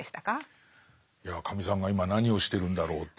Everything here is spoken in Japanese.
いやカミさんが今何をしてるんだろうっていう。